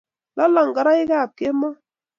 lolong ngoroikab kemoi